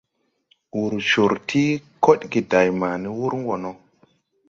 Wur cor ti kodge day ma ni wur wo no.